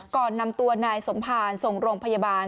ก่อนนำตัวนายสมภารส่งโรงพยาบาล